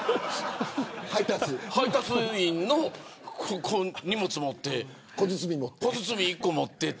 配達員の荷物を持って小包１個持って。